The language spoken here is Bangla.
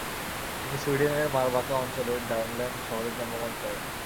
তিনি সুইডেনের মারবাকা অঞ্চলের ভার্মল্যান্ড শহরে জন্মগ্রহণ করেন।